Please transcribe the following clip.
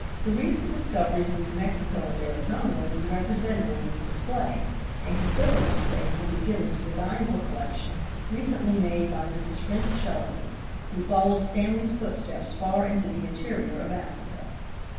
The recent discoveries in New Mexico and Arizona will be represented in this display, and considerable space will be given to the valuable collection recently made by Mrs. French Sheldon, who followed Stanley's footsteps far into the interior of Africa.